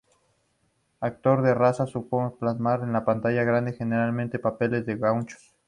Actor de raza, supo plasmar en la pantalla grande generalmente papeles de gauchos.